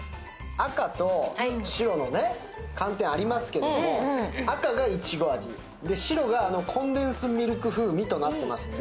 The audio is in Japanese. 赤と白の寒天ありますけれども、赤がいちご味、白がコンデンスミルク風味となっています。